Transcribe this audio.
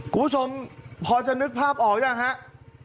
คุณผู้ชมพอจะนึกภาพออกยังครับ